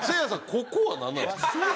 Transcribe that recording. ここはなんなんですか？